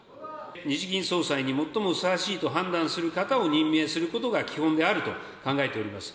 日銀総裁に最もふさわしいと判断する方を任命することが基本であると考えております。